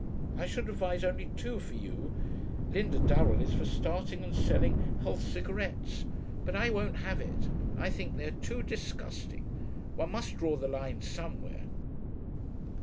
I should advise only two for you. Linda Durell is for starting and selling Health Cigarettes, but I won't have it, I think they are too disgusting. One must draw the line somewhere....